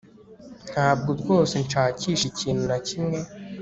ntabwo rwose nshakisha ikintu na kimwe